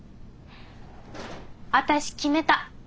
私決めた。